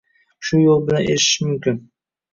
Shu yo’l bilan erishish mumkin.